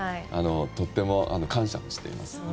とても感謝しています。